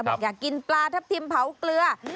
อยากกินปลาทับทิมเผาเกลือ